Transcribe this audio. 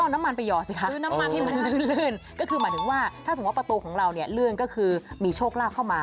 น้ำมันไปหยอดสิค่ะเลื่อนก็คือหมายถึงว่าถ้าสมมติว่าประตูของเราเนี่ยเลื่อนก็คือมีโชคลาบเข้ามา